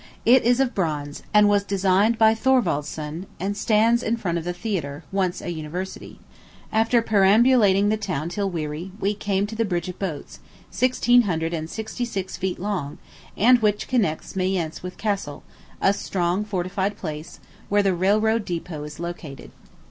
It is of bronze, and was designed by Thorwaldsen, and stands in front of the Theatre, once a university. After perambulating the town till weary, we came to the bridge of boats, sixteen hundred and sixty six feet long, and which connects Mayence with Cassel, a strongly fortified place, where the railroad depot is located.